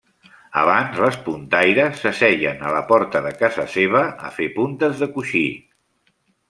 Abans les puntaires s'asseien a la porta de casa seva a fer puntes de coixí.